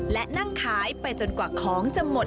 และนั่งขายไปจนกว่าของจะหมด